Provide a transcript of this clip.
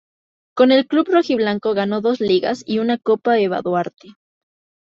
Con el club rojiblanco ganó dos Ligas y una Copa Eva Duarte.